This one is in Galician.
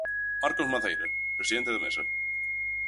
Marcos Maceira, presidente da Mesa.